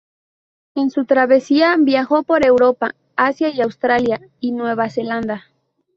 En su travesía, viajó por Europa, Asia y Australia y Nueva Zelanda.